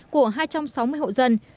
hai sáu trăm sáu mươi hộ dân